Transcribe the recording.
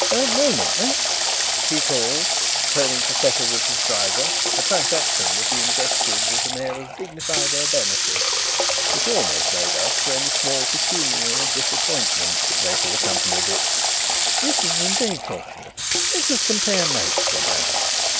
"A moment, Max," he called, turning to settle with his driver, a transaction that he invested with an air of dignified urbanity which almost made up for any small pecuniary disappointment that may have accompanied it. "This is indeed fortunate. Let us compare notes for a moment.